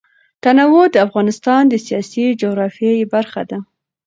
تنوع د افغانستان د سیاسي جغرافیه برخه ده.